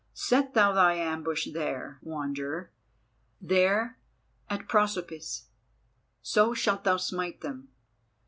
Set thou thy ambush there, Wanderer, there at Prosopis—so shalt thou smite them.